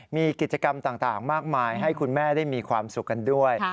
มีกิจกรรมต่างมากมายให้คุณแม่ได้มีความสุขกันด้วย